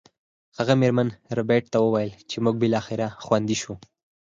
هغه میرمن ربیټ ته وویل چې موږ بالاخره خوندي شو